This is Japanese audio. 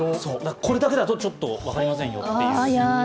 これだけだと分かりませんよという。